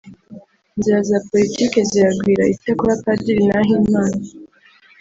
Inzira za politiki ziragwira icyakora Padiri Nahimana